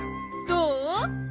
どう？